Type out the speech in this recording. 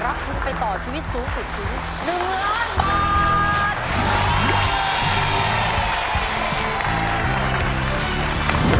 รับถูกไปต่อชีวิตสูงสุดถึง๑๐๐๐๐๐๐บาท